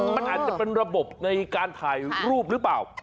มันอาจจะเป็นระบบในการถ่ายรูปหรือเปล่า